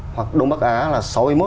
hoặc đông bắc á là sáu mươi một